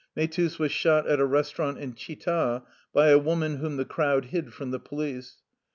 Mehtus was shot at a restaurant at Chita by a woman whom the crowd hid from the police.